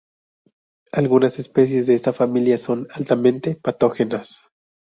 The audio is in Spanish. Algunas especies de esta familia son altamente patógenas.